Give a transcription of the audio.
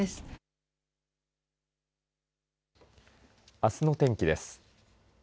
あすの天気です。